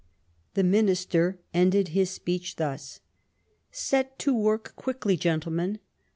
The Minister ended his sj^eech thus :" Set to work quickly, gentlemen.